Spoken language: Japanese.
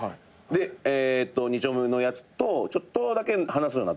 で２丁目のやつとちょっとだけ話すようになったってこと？